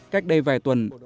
cách đây vài tuần